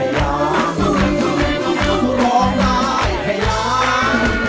อยากร้องกลาย